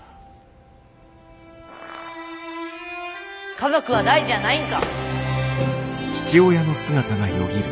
家族は大事やないんか！